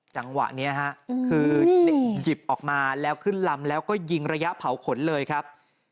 จังหวะนี้ฮะคือหยิบออกมาแล้วขึ้นลำแล้วก็ยิงระยะเผาขนเลยครับ